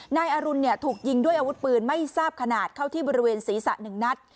นายอรุณถูกยิงด้วยอาวุธปืนไม่ทราบขนาดเข้าที่บริเวณศีรษะ๑นัด